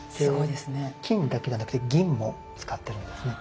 で金だけじゃなくて銀も使ってるんですね。